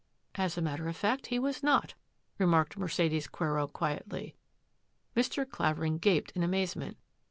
" As a matter of fact he was not," remarked Mercedes Quero quietly. Mr, Clavering gaped in amazement.